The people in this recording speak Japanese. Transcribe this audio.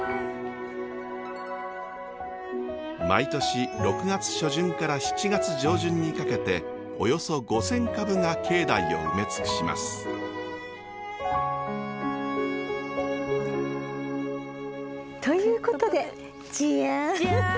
毎年６月初旬から７月上旬にかけておよそ５，０００株が境内を埋め尽くします。ということでじゃん！